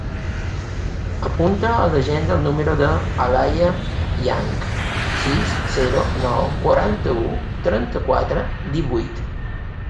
Apunta a l'agenda el número de l'Alaia Yang: sis, zero, nou, quaranta-u, trenta-quatre, divuit.